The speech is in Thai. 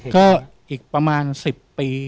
ก็อีกประมาณ๑๐ปี